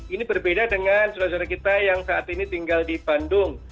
ini berbeda dengan saudara saudara kita yang saat ini tinggal di bandung